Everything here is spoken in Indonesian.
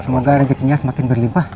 semoga rezekinya semakin berlimpah